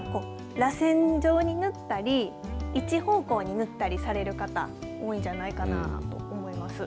らせん状に塗ったり一方向に塗ったりされる方多いんじゃないかなと思います。